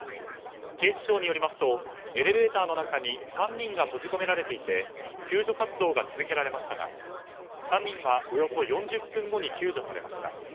警視庁によりますとエレベーターの中に３人が閉じ込められていて救助活動が続けられましたが３人はおよそ４０分後に救助されました。